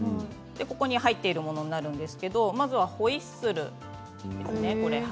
ここに入っているものになるんですけれどもまずはホイッスルですね。